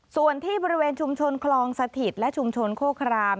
ส่วนที่บริเวณชุมชนคลองสถิตและชุมชนโคคราม